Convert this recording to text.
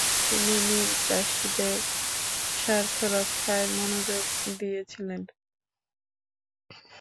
তিনি নীলচাষীদের স্বার্থরক্ষায় মনোযোগ দিয়েছিলেন ।